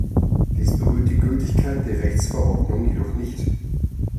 Dies berührt die Gültigkeit der Rechtsverordnung jedoch nicht.